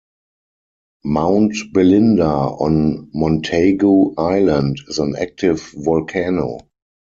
Mount Belinda on Montagu Island is an active volcano.